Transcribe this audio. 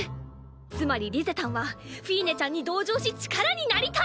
つまりリゼたんはフィーネちゃんに同情し力になりたい！